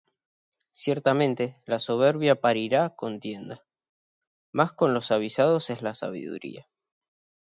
Ciertamente la soberbia parirá contienda: Mas con los avisados es la sabiduría.